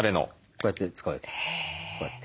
こうやって使うやつ。